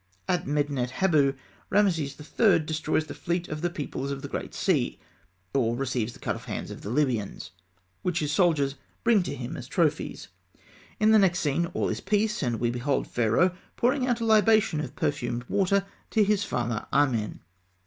At Medinet Habû Rameses III. destroys the fleet of the peoples of the great sea, or receives the cut off hands of the Libyans, which his soldiers bring to him as trophies. In the next scene, all is peace; and we behold Pharaoh pouring out a libation of perfumed water to his father Amen.